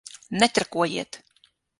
Netrakojiet!